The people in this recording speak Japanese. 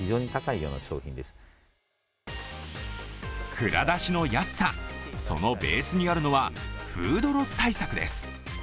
ＫＵＲＡＤＡＳＨＩの安さ、そのベースにあるのはフードロス対策です。